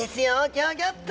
ギョギョッと！